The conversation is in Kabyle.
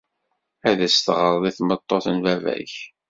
Ad as-teɣred i tmeṭṭut n baba-k.